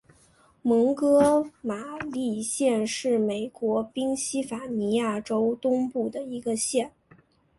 蒙哥马利县是美国宾夕法尼亚州东南部的一个县。